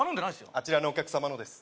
あちらのお客様のです